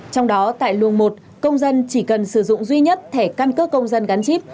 trong đó tại luồng một công dân chỉ cần sử dụng duy nhất thẻ căn cước công dân gắn chip